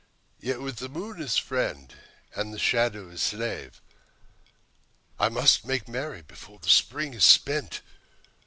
Yet with the moon as friend and the shadow as slave I must make merry before the Spring is spent.